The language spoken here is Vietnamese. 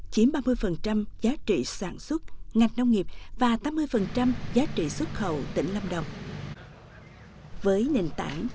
chiếm ba mươi giá trị sản xuất ngạch nông nghiệp và tám mươi giá trị xuất khẩu tỉnh lâm đồng với nền tảng